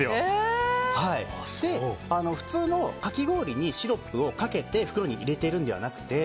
普通のかき氷にシロップをかけて袋に入れているのではなくて。